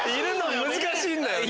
難しいんだよね。